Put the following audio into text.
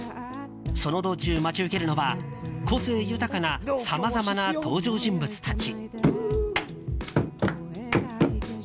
その道中待ち受けるのは個性豊かなさまざまな登場人物たち。